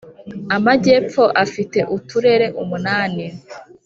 Amajyepfo afite uturere umunani.